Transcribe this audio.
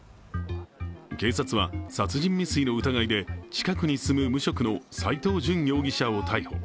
警察は殺人未遂の疑いで近くに住む無職の斉藤淳容疑者を逮捕。